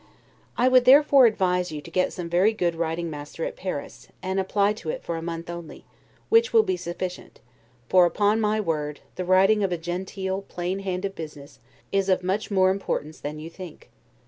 I would therefore advise you to get some very good writing master at Paris, and apply to it for a month only, which will be sufficient; for, upon my word, the writing of a genteel plain hand of business is of much more importance than you think.